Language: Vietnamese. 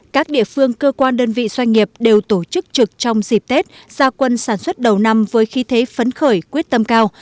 các địa phương cơ quan đơn vị doanh nghiệp đều tổ chức trực trong dịp tết gia quân sản xuất đầu năm với khí thế phấn khởi quyết tâm cao